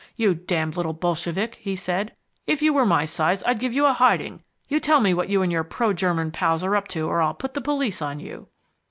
"You damned little bolshevik," he said, "if you were my size I'd give you a hiding. You tell me what you and your pro German pals are up to or I'll put the police on you!"